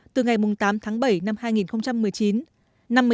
từ ngày tám tháng bảy năm hai nghìn một mươi chín